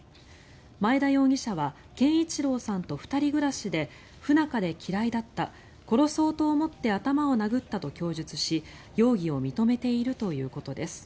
前田容疑者は憲一郎さんと２人暮らしで不仲で嫌いだった殺そうと思って頭を殴ったと供述し容疑を認めているということです。